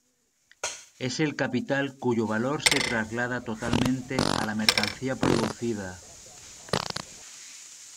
Es el capital cuyo valor se traslada totalmente a la mercancía producida.